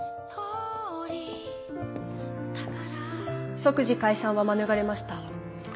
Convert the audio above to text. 即時解散は免れました。